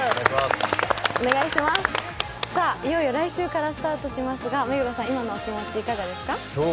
いよいよ来週からスタートしますが、目黒さん、今のお気持ち、いかがですか？